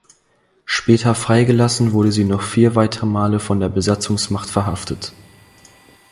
Später freigelassen wurde sie noch vier weitere Male von der Besatzungsmacht verhaftet.